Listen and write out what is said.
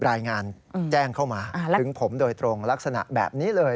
รายงานแจ้งเข้ามาถึงผมโดยตรงลักษณะแบบนี้เลย